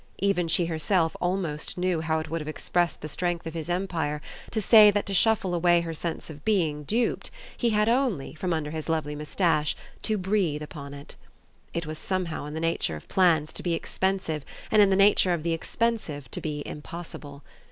Even she herself almost knew how it would have expressed the strength of his empire to say that to shuffle away her sense of being duped he had only, from under his lovely moustache, to breathe upon it. It was somehow in the nature of plans to be expensive and in the nature of the expensive to be impossible.